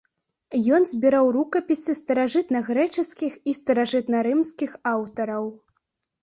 Ён збіраў рукапісы старажытнагрэчаскіх і старажытнарымскіх аўтараў.